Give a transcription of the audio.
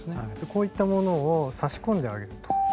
こういったものを差し込んであげると。